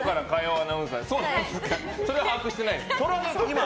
それは把握してないです。